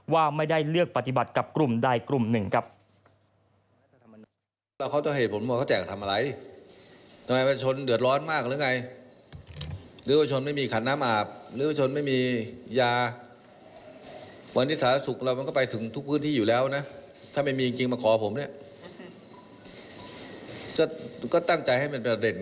ว่าไม่ได้เลือกปฏิบัติกับกลุ่มใดกลุ่มหนึ่งครับ